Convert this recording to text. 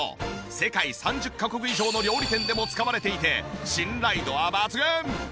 世界３０カ国以上の料理店でも使われていて信頼度は抜群！